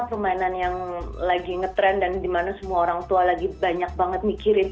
permainan yang lagi ngetrend dan dimana semua orang tua lagi banyak banget mikirin